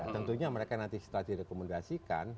tentunya mereka nanti setelah direkomendasikan